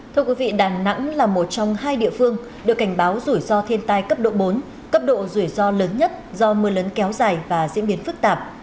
thưa quý vị đà nẵng là một trong hai địa phương được cảnh báo rủi ro thiên tai cấp độ bốn cấp độ rủi ro lớn nhất do mưa lớn kéo dài và diễn biến phức tạp